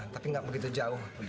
tapi nggak begitu jauh